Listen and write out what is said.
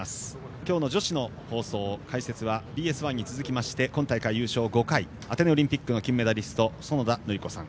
今日の女子の放送解説はＢＳ１に続きまして今大会優勝５回アテネオリンピック金メダリスト園田教子さん。